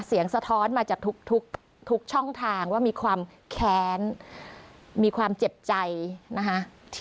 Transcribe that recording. สะท้อนมาจากทุกช่องทางว่ามีความแค้นมีความเจ็บใจนะคะ